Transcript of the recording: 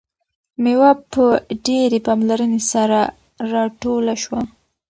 میوه په ډیرې پاملرنې سره راټوله شوه.